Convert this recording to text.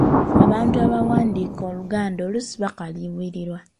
Abantu abawandiika Oluganda oluusi bakaluubirirwa.